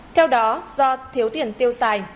theo đó do thiếu tiền tiêu xài